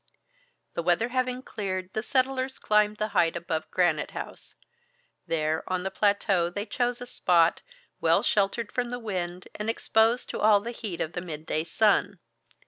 The weather having cleared, the settlers climbed the height above Granite House. There, on the plateau, they chose a spot, well sheltered from the wind, and exposed to all the heat of the midday sun.